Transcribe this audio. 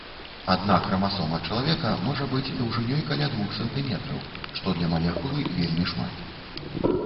Адна храмасома чалавека можа быць даўжынёй каля двух сантыметраў, што для малекулы вельмі шмат.